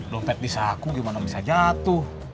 lompat di saku gimana bisa jatuh